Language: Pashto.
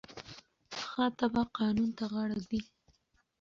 ښه تبعه قانون ته غاړه ږدي.